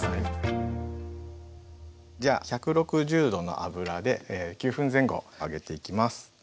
１６０℃の油で９分前後揚げていきます。